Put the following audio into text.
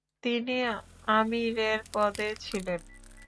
তিনি আমিরের পদে ছিলেন।